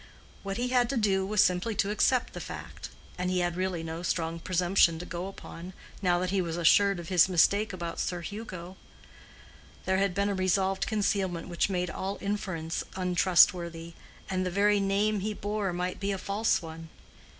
What he had to do was simply to accept the fact; and he had really no strong presumption to go upon, now that he was assured of his mistake about Sir Hugo. There had been a resolved concealment which made all inference untrustworthy, and the very name he bore might be a false one.